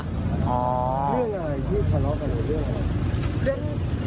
เรื่องอะไรที่ขอร้องกันหรือเรื่องอะไร